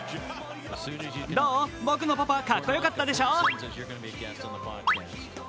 どう、僕のパパ、かっこよかったでしょう？